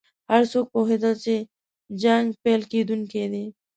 هر څوک پوهېدل چې جنګ پیل کېدونکی دی.